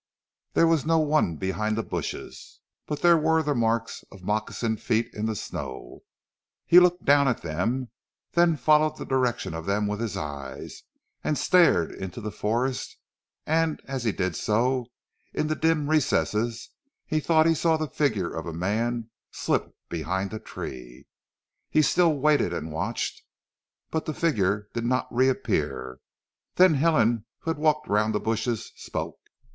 There was no one behind the bushes, but there were the marks of moccasined feet in the snow. He looked down at them, then followed the direction of them with his eyes, and stared into the forest, and as he did so, in its dim recesses, thought he saw the figure of a man slip behind a tree. He still waited and watched, but the figure did not re appear, then Helen who had walked round the bushes spoke.